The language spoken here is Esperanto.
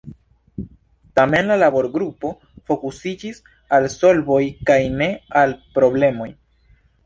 Tamen la laborgrupo fokusiĝis al solvoj kaj ne al problemoj.